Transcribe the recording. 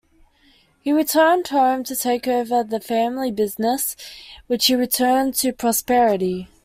He returned home to take over the family business, which he returned to prosperity.